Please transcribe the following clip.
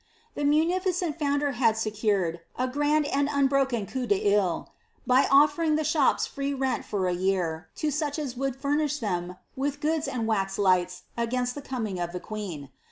The munilicenl founder had secured a grand and unbroken coup d'sit. by offering the shops rent free for a year, to $uch as would furnish them with goods and wax lights against the coming of Ihe queen.